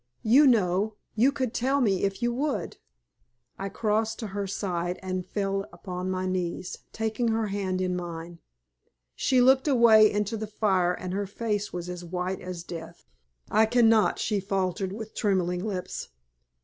You know, you could tell me if you would." I crossed to her side and fell upon my knees, taking her hand in mine. She looked away into the fire and her face was as white as death. "I cannot," she faltered, with trembling lips.